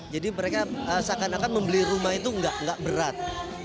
jadi mereka seakan akan membeli rumah itu nggak berat